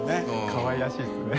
かわいらしいですね。